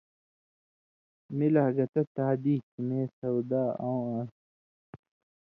می لا گتہ تادی تھی مے سودا اؤں آن٘س